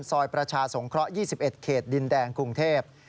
ซอยประชาสงเคราะห์๒๑เขตดินแดงกรุงเทพ